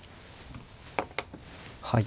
はい。